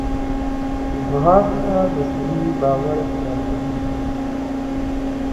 ځغاسته د سړي باور زیاتوي